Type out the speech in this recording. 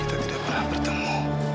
kita tidak pernah bertemu